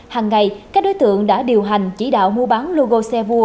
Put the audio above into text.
hàng ngày các đối tượng đã điều hành chỉ đạo mua bán logo xe vua